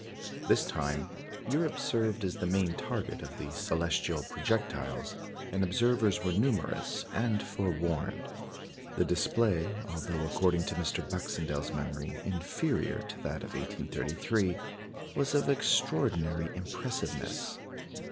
This time, Europe served as the main target of the celestial projectiles, and observers were numerous and forewarned. The display, although, according to Mr. Baxendell's memory, inferior to that of 1833, was of extraordinary impressiveness.